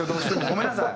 ごめんなさい。